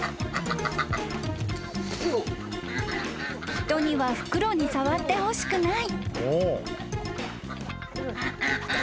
［人には袋に触ってほしくない］